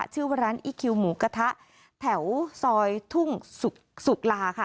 ชื่อว่าร้านอีคิวหมูกระทะแถวซอยทุ่งสุกลาค่ะ